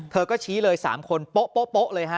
เธอก็ชี้เลย๓คนป๊ะป๊ะป๊ะเลย